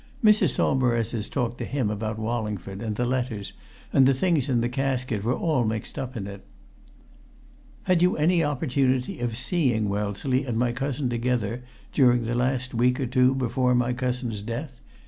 Mrs. Saumarez's talk to him about Wallingford, and the letters, and the things in the casket, were all mixed up in it. "Had you any opportunity of seeing Wellesley and my cousin together during the last week or two before my cousin's death?"